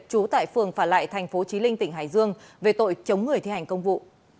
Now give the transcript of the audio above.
trú tại phường phả lại thành phố trí linh tỉnh hải dương về tội chống người thi hành công vụ